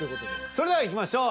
それではいきましょう。